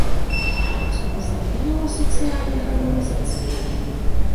Co by znamenala sociální harmonizace?